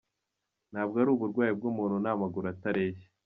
Ntabwo ari uburwayi bw’umuntu ni amaguru atareshya.